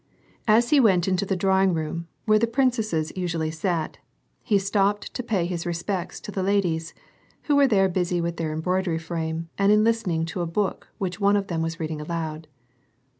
As he went into the drawing room, where the princesses usually sat, he stopped to pay his respects to the ladies, who were there busy with their embroidery frame and in listening to a book which one of them was reading aloud.